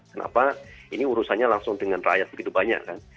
kenapa ini urusannya langsung dengan rakyat begitu banyak kan